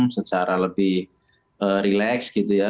secara lebih relax gitu ya